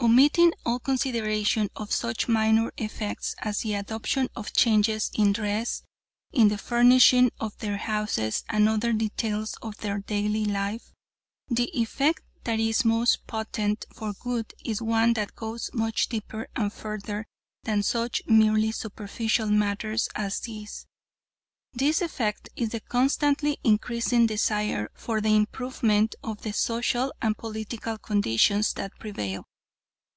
Omitting all consideration of such minor effects as the adoption of changes in dress, in the furnishing of their houses and other details of their daily life, the effect that is most potent for good is one that goes much deeper and further than such merely superficial matters as these. This effect is the constantly increasing desire for the improvement of the social and political conditions that prevail.